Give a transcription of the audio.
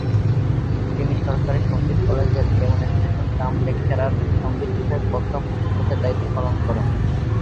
তিনি সরকারী সঙ্গীত কলেজের ডেমোনেস্ট্রেশন-কাম-লেকচারার, সংগীত বিষয়ক বক্তা ও প্রশিক্ষকের দায়িত্ব পালন করেন।